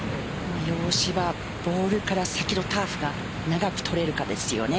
洋芝、ボールから先のターフが長く取れるかですよね。